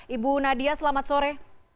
ibu nadia selamat sore